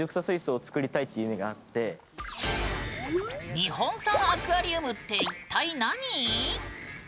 日本産アクアリウムって一体、何？